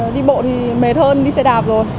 đi bộ thì mệt hơn đi xe đạp rồi